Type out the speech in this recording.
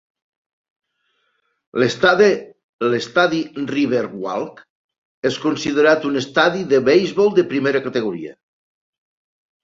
L'estadi Riverwalk és considerat un estadi de beisbol de primera categoria.